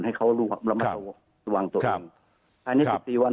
ให้เขารู้ว่ามันตัวเอง